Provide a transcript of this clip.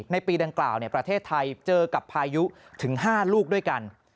ในปีดังกล่าวประเทศไทยเจอกับพายุถึง๕ลูกด้วยกัน